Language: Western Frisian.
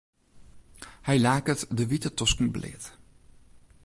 Hy laket de wite tosken bleat.